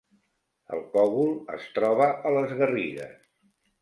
El Cogul es troba a les Garrigues